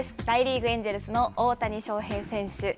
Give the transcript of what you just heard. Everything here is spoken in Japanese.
大リーグ・エンジェルスの大谷翔平選手。